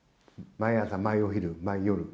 毎朝、毎お昼、毎夜。